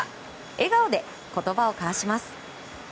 笑顔で言葉を交わします。